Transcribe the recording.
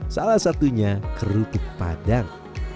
salah satunya kerupuk padang